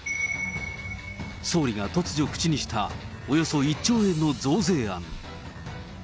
総理が突如口にした、およそ１兆円の増税案。